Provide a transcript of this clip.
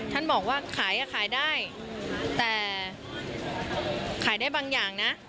ท่านบอกว่าขายอ่ะขายได้แต่ขายได้บางอย่างนะ